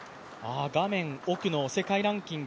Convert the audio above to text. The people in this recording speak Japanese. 画面奥の世界ランキング